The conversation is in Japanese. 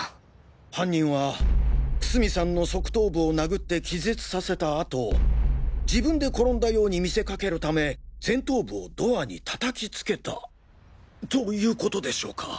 犯人は楠見さんの側頭部を殴って気絶させた後自分で転んだように見せかけるため前頭部をドアに叩きつけたという事でしょうか。